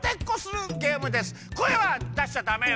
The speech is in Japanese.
こえはだしちゃダメよ。